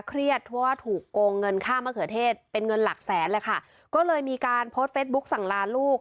เพราะว่าถูกโกงเงินค่ามะเขือเทศเป็นเงินหลักแสนเลยค่ะก็เลยมีการโพสต์เฟสบุ๊กสั่งลาลูก